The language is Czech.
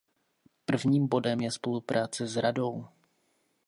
Prvním bodem je spolupráce s Radou.